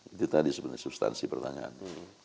itu tadi sebenarnya substansi pertanyaan